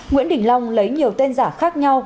nguyễn đình long lấy nhiều tên giả khác nhau